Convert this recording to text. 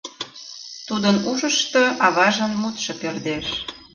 Тудын ушышто аважын мутшо пӧрдеш: